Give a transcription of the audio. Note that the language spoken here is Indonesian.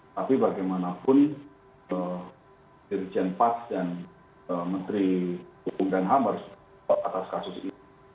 tapi bagaimanapun dirjen pas dan menteri kepungkan ham harus berpikir atas kasus ini